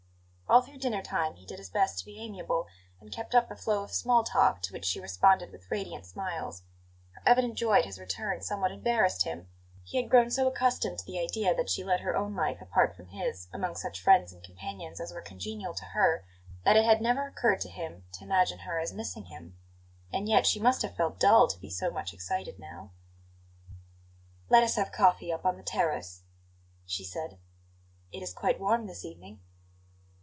All through dinner time he did his best to be amiable, and kept up a flow of small talk, to which she responded with radiant smiles. Her evident joy at his return somewhat embarrassed him; he had grown so accustomed to the idea that she led her own life apart from his, among such friends and companions as were congenial to her, that it had never occurred to him to imagine her as missing him. And yet she must have felt dull to be so much excited now. "Let us have coffee up on the terrace," she said; "it is quite warm this evening."